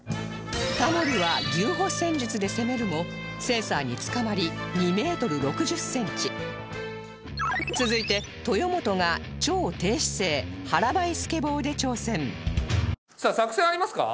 タモリは牛歩戦術で攻めるもセンサーにつかまり２メートル６０センチ続いて豊本が超低姿勢腹ばいスケボーで挑戦さあ作戦ありますか？